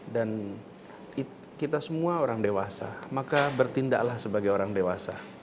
dan kita semua orang dewasa maka bertindaklah sebagai orang dewasa